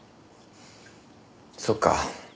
そっか。